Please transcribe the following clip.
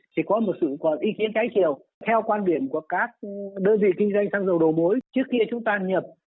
chỉ có một sự ý kiến trái chiều theo quan điểm của các đơn vị kinh doanh thăng dầu đầu mối trước khi chúng ta nhập